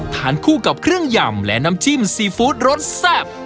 ทานคู่กับเครื่องยำและน้ำจิ้มซีฟู้ดรสแซ่บ